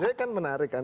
jadi kan menarik kan